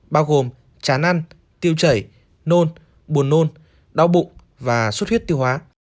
bao gồm chán ăn tiêu chảy nôn buồn nôn đau bụng và suốt huyết tiêu hóa